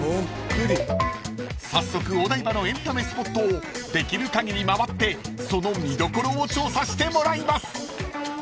［早速お台場のエンタメスポットをできる限り回ってその見どころを調査してもらいます］